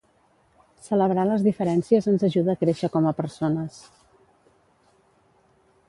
Celebrar les diferències ens ajuda a créixer com a persones.